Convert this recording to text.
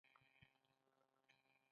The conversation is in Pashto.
آیا د کاناډا ټیکنالوژي پرمختللې نه ده؟